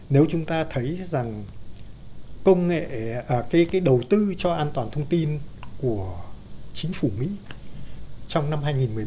nếu chúng ta thấy rằng công nghệ đầu tư cho an toàn thông tin của chính phủ mỹ trong năm hai nghìn một mươi bảy